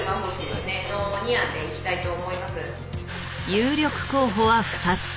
有力候補は２つ。